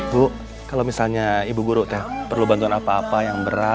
bu kalau misalnya ibu guru ya